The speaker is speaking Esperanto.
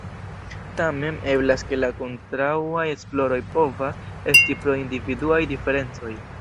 Tamen, eblas ke la kontraŭaj esploroj povas esti pro individuaj diferencoj.